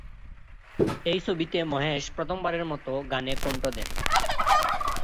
এই ছবিতে মহেশ প্রথমবারের মত গানে কন্ঠ দেন।